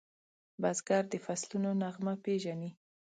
بزګر د فصلونو نغمه پیژني